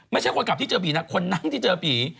คนขับที่เจอผีนะคนนั่งที่เจอผี